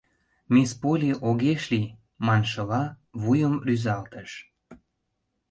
Мисс Полли огеш лий маншыла вуйым рӱзалтыш: